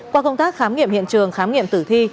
qua công tác khám nghiệm hiện trường khám nghiệm tử thi